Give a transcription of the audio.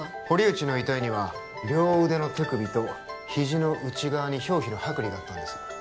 堀内の遺体には両腕の手首と肘の内側に表皮の剥離があったんです